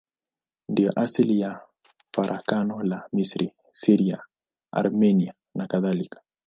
Ndiyo asili ya farakano la Misri, Syria, Armenia nakadhalika.